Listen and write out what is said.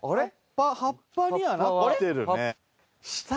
葉っぱにはなってるね。